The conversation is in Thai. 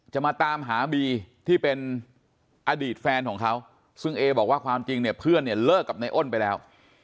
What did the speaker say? จะมาตามหาบีที่เป็นอดีตแฟนของเขาซึ่งเอบอกว่าความจริงเนี่ยเพื่อนเนี่ยเลิกกับในอ้นไปแล้ว